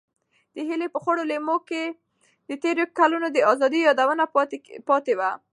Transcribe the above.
د هیلې په خړو لیمو کې د تېرو کلونو د ازادۍ یادونه پاتې وو.